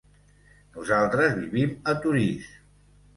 Nosaltres vivim a Torís.